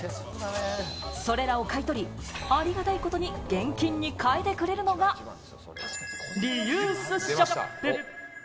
それらを買い取り、ありがたいことに現金に換えてくれるのがリユースショップ。